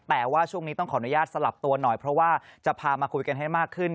แต่ว่าช่วงนี้ต้องขออนุญาตสลับตัวหน่อยเพราะว่าจะพามาคุยกันให้มากขึ้น